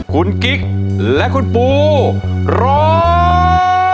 คุณกิ๊กและคุณปูร้อง